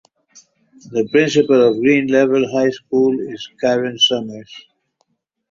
The principal of Green Level High School is Karen Summers.